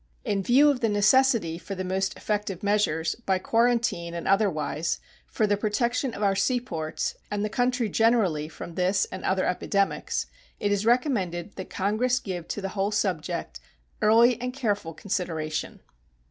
In view of the necessity for the most effective measures, by quarantine and otherwise, for the protection of our seaports and the country generally from this and other epidemics, it is recommended that Congress give to the whole subject early and careful consideration.